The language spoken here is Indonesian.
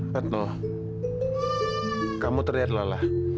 fatno kamu terlihat lelah